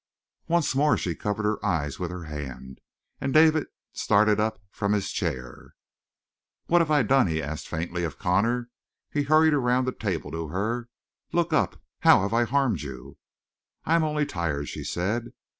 Once more she covered her eyes with her hand, and David started up from his chair. "What have I done?" he asked faintly of Connor. He hurried around the table to her. "Look up! How have I harmed you?" "I am only tired," she said.